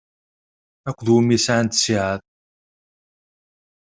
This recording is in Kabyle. Akked wumi i sɛant ttiɛad?